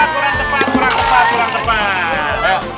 kurang tepat kurang tepat